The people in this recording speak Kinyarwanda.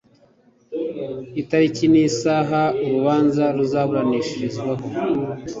itariki n'isaha urubanza ruzaburanishirizwaho